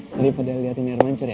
daripada liatin air mancur ya